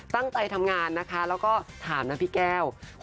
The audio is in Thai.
ตั้งใจทำงานนะคะแล้วก็ถามนะพี่แก้ว